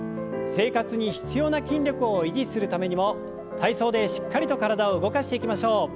生活に必要な筋力を維持するためにも体操でしっかりと体を動かしていきましょう。